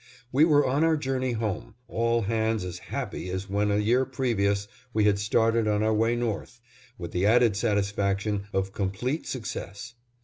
We were on our journey home, all hands as happy as when, a year previous, we had started on our way north, with the added satisfaction of complete success.